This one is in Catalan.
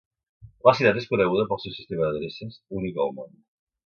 La ciutat és coneguda pel seu sistema d'adreces únic al món.